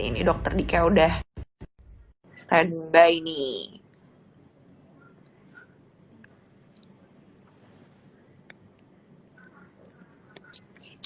ini dokter dika udah standby nih